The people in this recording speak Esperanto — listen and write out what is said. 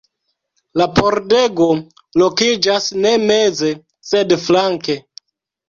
La pordego lokiĝas ne meze, sed flanke.